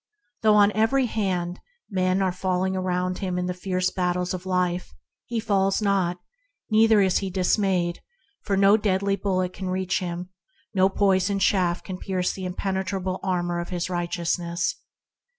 Though on every hand men 40 ENTERING THE KINGDOM are falling around him in the fierce battle of life, he falls not, neither is he dismayed : no deadly bullet can reach him, no poisoned shaft can pierce the impenetrable armor of his righteousness.